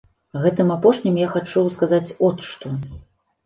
Гэтым апошнім я хачу сказаць от што.